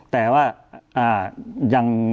แต่ว่ายัง